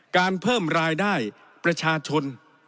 การเพิ่มรายได้ประชาชน